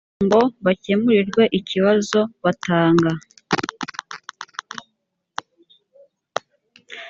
ngo bakemurirwe ibibazo batanga